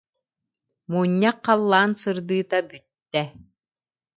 Мунньах халлаан сырдыыта бүттэ.